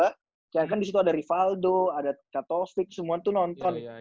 kayak kan disitu ada rivaldo ada katowik semua tuh nonton